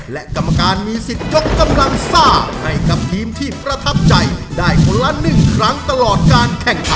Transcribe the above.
และกรรมการมีสิทธิ์ยกกำลังซ่าให้กับทีมที่ประทับใจได้คนละ๑ครั้งตลอดการแข่งขัน